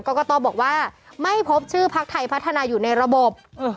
กตบอกว่าไม่พบชื่อพักไทยพัฒนาอยู่ในระบบ